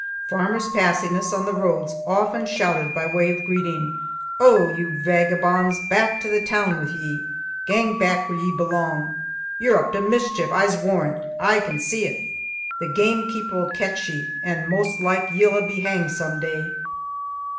Farmers passing us on the roads often shouted by way of greeting: "Oh, you vagabonds! Back to the toon wi' ye. Gang back where ye belang. You're up to mischief, Ise warrant. I can see it. The gamekeeper'll catch ye, and maist like ye'll a' be hanged some day."